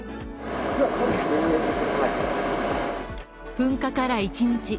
噴火から１日。